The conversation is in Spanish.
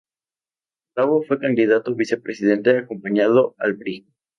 Bravo fue candidato a vicepresidente acompañando al Brig.